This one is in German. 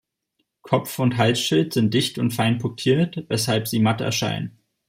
Kopf und Halsschild sind dicht und fein punktiert, weshalb sie matt erscheinen.